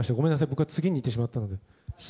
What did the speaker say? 僕は次に行ってしまったので。